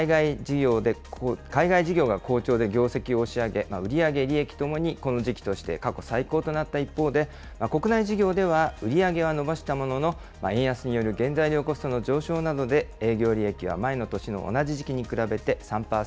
海外事業が好調で業績を押し上げ、売り上げ、利益ともにこの時期として過去最高となった一方で、国内事業では、売り上げは伸ばしたものの、円安による原材料コストの上昇などで営業利益は前の年の同じ時期